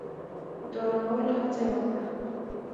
د آرامولو هڅه يې وکړه.